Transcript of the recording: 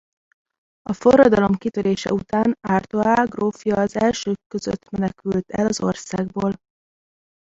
A forradalom kitörése után Artois grófja az elsők között menekült el az országból.